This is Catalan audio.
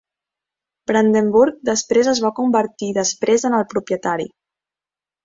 Brandenburg després es va convertir després en el propietari.